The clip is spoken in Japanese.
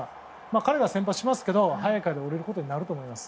彼が先発しますけど早い回で降りることになると思います。